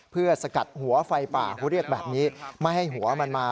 เพื่อสกัดหัวไฟป่าเขาเรียกแบบนี้ไม่ให้หัวมันมา